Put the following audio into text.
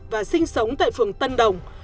và sinh sống tại phường tân đồng